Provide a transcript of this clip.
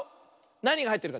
なにがはいってるか。